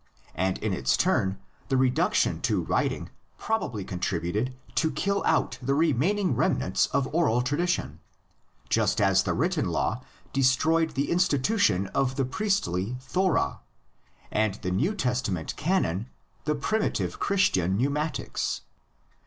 And in its turn the reduction to writing probably contributed to kill out the remain 123 124 THE LEGENDS OF GENESIS. ing remnants of oral tradition, just as the written law destroyed the institution of the priestly Thora, and the New Testament canon the primitive Christian Pneumatics.